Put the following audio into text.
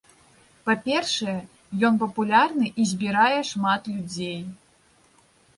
Па-першае, ён папулярны і збірае шмат людзей.